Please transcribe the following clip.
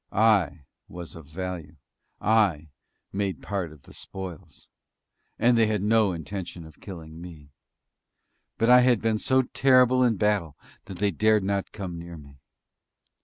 I was of value. I made part of the "spoils." And they had no intention of killing me. But I had been so terrible in battle that they dared not come near me.